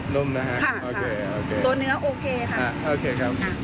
นุ่มนะฮะค่ะโอเคตัวเนื้อโอเคค่ะโอเคครับค่ะ